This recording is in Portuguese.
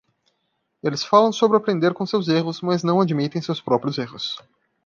Eles falam sobre aprender com seus erros, mas não admitem seus próprios erros.